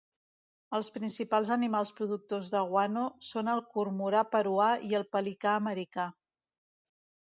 Els principals animals productors de guano són el cormorà peruà i el pelicà americà.